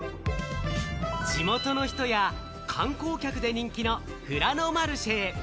地元の人や観光客で人気のフラノマルシェへ。